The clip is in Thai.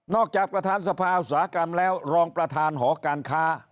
จากประธานสภาอุตสาหกรรมแล้วรองประธานหอการค้า